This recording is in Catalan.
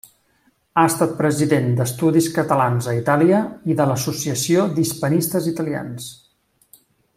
Ha estat President d'Estudis Catalans a Itàlia, i de l'Associació d'Hispanistes Italians.